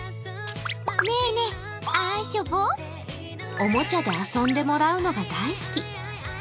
おもちゃで遊んでもらうのが大好き。